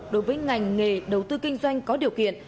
đối với ngành nghề đầu tư kinh doanh có điều kiện